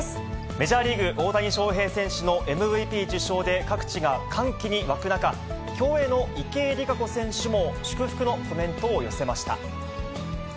メジャーリーグ、大谷翔平選手のＭＶＰ受賞で各地が歓喜に沸く中、競泳の池江璃花子選手も祝福のコメントを寄せました。